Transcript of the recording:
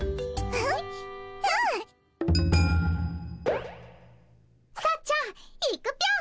うん？